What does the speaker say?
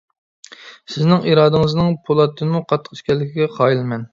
سىزنىڭ ئىرادىڭىزنىڭ پولاتتىنمۇ قاتتىق ئىكەنلىكىگە قايىلمەن.